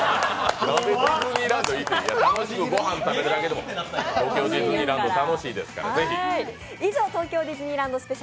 楽しくごはん食べに行くだけでも東京ディズニーランド楽しいですから。